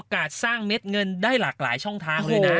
คนโสดนะจ๊ะ